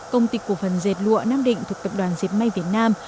công ty của phần dệt lụa nam định thuộc tập đoàn diệt may việt nam